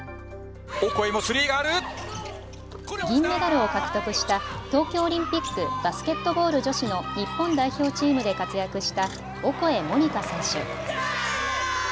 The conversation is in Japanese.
銀メダルを獲得した東京オリンピック、バスケットボール女子の日本代表チームで活躍したオコエ桃仁花選手。